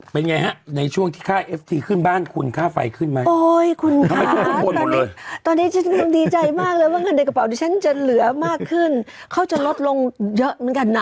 เป็นไงฮะในช่วงที่ค่าเอฟทีขึ้นบ้านคุณค่าไฟขึ้นไหมตอนนี้ฉันกำลังดีใจมากเลยว่าเงินในกระเป๋าดิฉันจะเหลือมากขึ้นเขาจะลดลงเยอะเหมือนกันนะ